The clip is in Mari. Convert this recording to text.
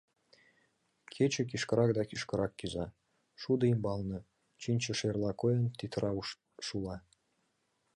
Кече кӱшкырак да кӱшкырак кӱза, шудо ӱмбалне, чинче шерла койын, тӱтыра шула.